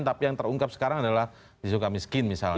terungkap sekarang adalah disuka miskin misalnya